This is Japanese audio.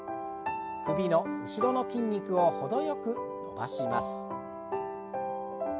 首の後ろの筋肉を程よく伸ばします。